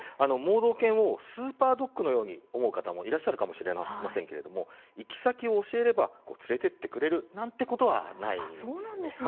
盲導犬をスーパードッグのように思う方もいらっしゃるかもしれませんけれども行き先を教えれば連れていってくれるなんてことはないんです。